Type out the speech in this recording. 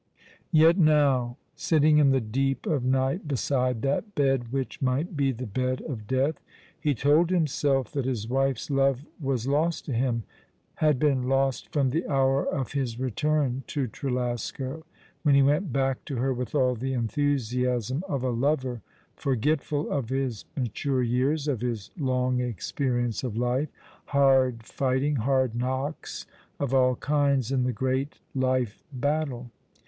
Yet now, sitting in the deep of night beside that bed which might be the bed of death, he told himself that his wife's love was lost to him, had been lost from the hour of his return to Trelasco, when he went back to her with all the enthusiasm of a lover, forgetful of his mature years, of his long experience of life — hard fighting, hard knocks of all kinds in the great life battle.